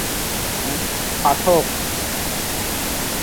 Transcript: পাঠক সমাজকে উপহার দিয়েছেন মূল্যবান ও অজানা তথ্য।